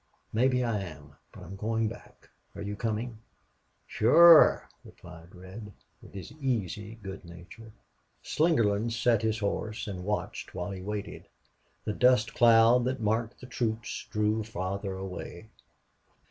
"Maybe I am. But I'm going back. Are you coming?" "Shore," replied Red, with his easy good nature. Slingerland sat his horse and watched while he waited. The dust cloud that marked the troops drew farther away.